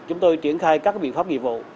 chúng tôi tiến khai các biện pháp nghiệp vụ